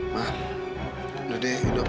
ma udah deh